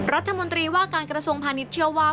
รัฐมนตรีว่าการกระทรวงพาณิชย์เชื่อว่า